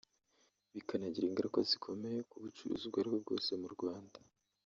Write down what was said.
bikanagira ingaruka zikomeye ku bucuruzi ubwo aribwo bwose mu Rwanda